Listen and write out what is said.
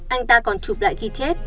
anh ta còn chụp lại ghi chép